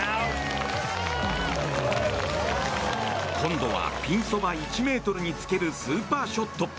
今度はピンそば１ｍにつけるスーパーショット。